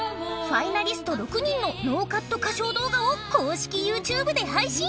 ファイナリスト６人のノーカット歌唱動画を公式ユーチューブで配信！